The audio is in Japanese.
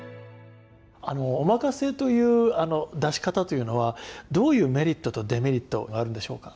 あのおまかせという出し方というのはどういうメリットとデメリットがあるんでしょうか？